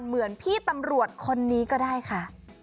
เหมือนพี่ตำรวจคนนี้ก็ได้ค่ะ